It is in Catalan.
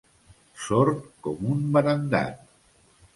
Sord com un barandat.